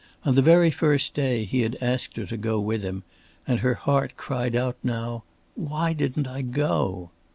On the very first day he had asked her to go with him and her heart cried out now: "Why didn't I go?"